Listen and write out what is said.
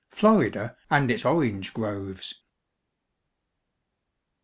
FLORIDA AND ITS ORANGE GROVES.